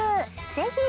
ぜひ。